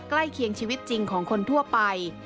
เคียงชีวิตจริงของคนทั่วไป